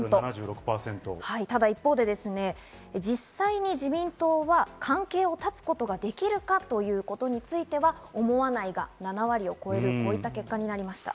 一方で実際に自民党は関係を断つことができるかということについては思わないが７割を超えるといった結果になりました。